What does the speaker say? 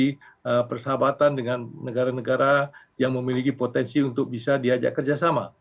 di persahabatan dengan negara negara yang memiliki potensi untuk bisa diajak kerjasama